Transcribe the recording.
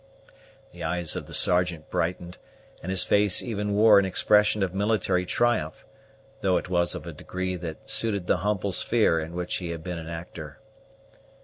The eyes of the Sergeant brightened, and his face even wore an expression of military triumph, though it was of a degree that suited the humble sphere in which he had been an actor.